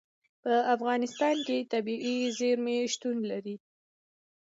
په افغانستان کې طبیعي زیرمې شتون لري.